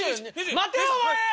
待てお前！